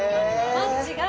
マッチが。